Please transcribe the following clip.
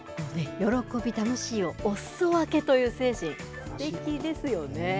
喜び、楽しいをお裾分けという精神すてきですよね。